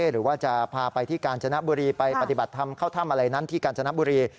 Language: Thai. หรือว่าจะพาไปที่กาญจนบุรีไปปฏิบัติธรรมเข้าถ้ำอะไรนั้นที่กาญจนบุรี